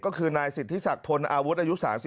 ก็คือนายสิทธิศักดิ์พลอาวุธอายุ๓๒